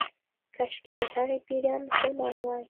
کشکې د هغې پيريان مسلمان وای